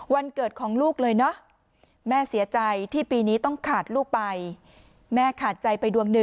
วันเกิดของลูกเลยนะแม่เสียใจที่ปีนี้ต้องขาดลูกไป